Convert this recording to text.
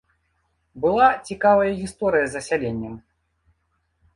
Была цікавая гісторыя з засяленнем.